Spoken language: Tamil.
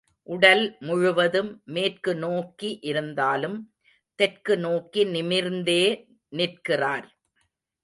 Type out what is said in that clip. உடல் முழுவதும் மேற்கு நோக்கி இருந்தாலும், தெற்கு நோக்கி நிமிர்ந்தே நிற்கிறார்.